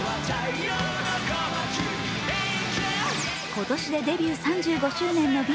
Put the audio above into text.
今年でデビュー３５周年のＢ